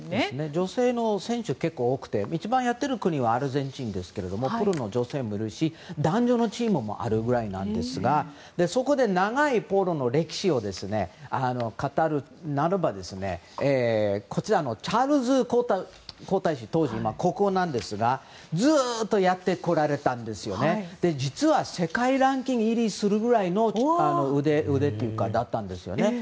女性の選手が結構多くて一番やっている国はアルゼンチンですけれどもプロの女性もいるし男女のチームもあるぐらいですがそこで、長いポロの歴史を語るならばこちらの当時のチャールズ皇太子今は国王ですがずっとやってこられたんですが実は世界ランキング入りするぐらいの腕だったんです。